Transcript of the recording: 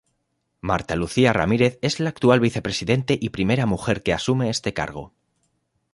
Marta Lucía Ramírez es la actual vicepresidente y primera mujer que asume este cargo.